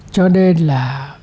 cho nên là